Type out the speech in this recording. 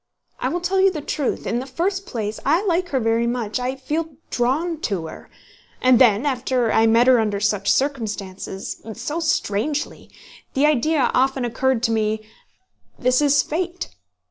I will tell you the truth. In the first place I like her very much, I feel drawn to her; and then, after I met her under such circumstances—so strangely, the idea often occurred to me: 'This is fate.